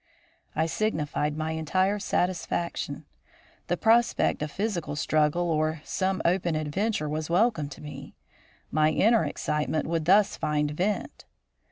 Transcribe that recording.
I signified my entire satisfaction. The prospect of physical struggle or some open adventure was welcome to me. My inner excitement would thus find vent.